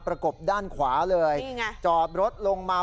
ประกบด้านขวาเลยจอบรถลงมา